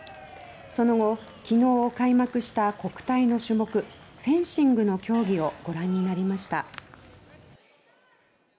その後、昨日開幕した国体の種目フェンシングの競技をご覧になりました。